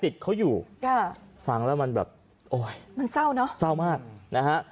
ติดเขาอยู่ค่ะฟังแล้วมันแบบโอ้ยมันเศร้าเนอะเศร้ามากนะฮะ